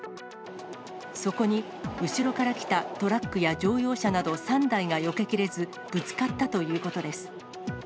そこに後ろから来たトラックや乗用車など３台がよけきれず、ぶつかったということです。